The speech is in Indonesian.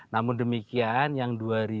namun demikian yang dua ribu tiga puluh enam